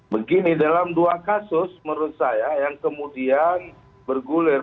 begini dalam dua kasus menurut saya yang kemudian bergulir